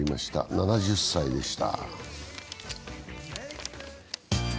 ７０歳でした。